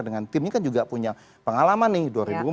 dengan timnya kan juga punya pengalaman nih